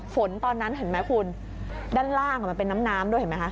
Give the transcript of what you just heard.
ฝนตอนนั้นเห็นไหมคุณด้านล่างมันเป็นน้ำน้ำด้วยเห็นไหมคะ